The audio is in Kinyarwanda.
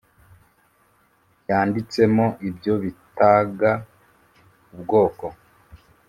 yanditsemo ibyo bitaga ubwoko